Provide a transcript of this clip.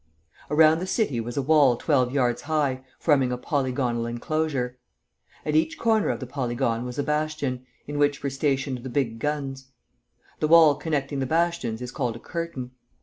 Around the city was a wall twelve yards high, forming a polygonal inclosure. At each corner of the polygon was a bastion, in which were stationed the big guns. The wall connecting the bastions is called a curtain.